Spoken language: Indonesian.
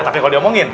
tapi kalau diomongin